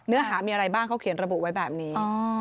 เนื้อหามีอะไรบ้างเขาเขียนระบุไว้แบบนี้